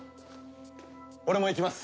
俺も行きます。